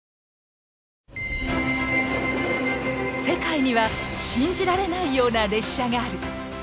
世界には信じられないような列車がある。